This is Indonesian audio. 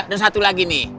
dan satu lagi nih